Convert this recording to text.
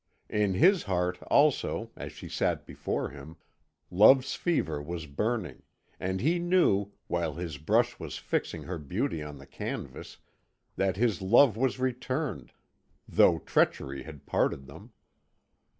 In his heart also, as she sat before him, love's fever was burning, and he knew, while his brush was fixing her beauty on the canvas, that his love was returned, though treachery had parted them.